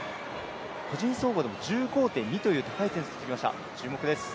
個人総合でも１５．２という高い点数を取ってきました注目です。